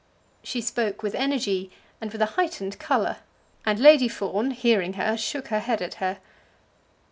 She spoke with energy and with a heightened colour; and Lady Fawn, hearing her, shook her head at her.